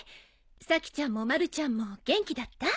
さきちゃんもまるちゃんも元気だった？